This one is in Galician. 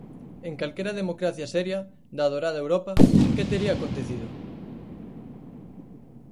En calquera democracia seria da adorada Europa, ¿que tería acontecido?